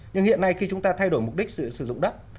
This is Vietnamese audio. nhưng hiện nay khi chúng ta thay đổi mục đích sử dụng đất